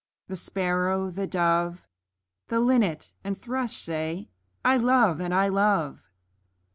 The Sparrow, the Dove, The Linnet and Thrush say, 'I love and I love!'